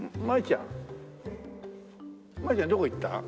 マイちゃんどこ行った？